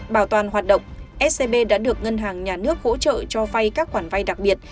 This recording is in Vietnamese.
bảo toàn hoạt động scb đã được ngân hàng nhà nước hỗ trợ cho vay các khoản vay đặc biệt